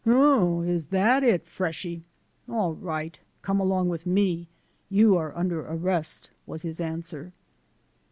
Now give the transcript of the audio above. "Oh, is that it, freshy? All right, come along with me. You are under arrest," was his answer.